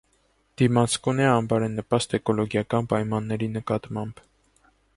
Դիմացկուն է անբարենպաստ էկոլոգիական պայմանների նկատմամբ։